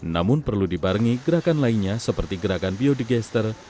namun perlu dibarengi gerakan lainnya seperti gerakan biodigester